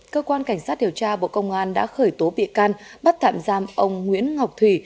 cơ quan cảnh sát điều tra bộ công an đã khởi tố bị can bắt tạm giam ông nguyễn ngọc thủy